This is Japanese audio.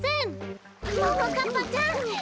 ももかっぱちゃん！